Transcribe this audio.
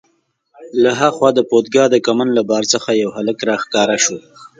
له ها خوا د پودګا د کمند له بار څخه یو هلک راښکاره شو.